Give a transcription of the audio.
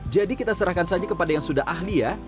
jadi kita serahkan saja kepada yang sudah ahli ya